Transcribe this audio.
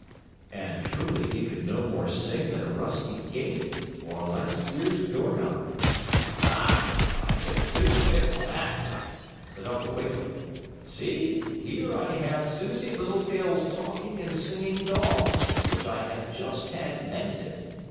And, truly, he could no more sing than a rusty gate, or a last year's door knob. "Ah, I can soon fix that!" said Uncle Wiggily. "See, here I have Susie Littletail's talking and singing doll, which I have just had mended.